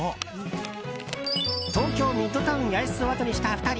東京ミッドタウン八重洲をあとにした２人。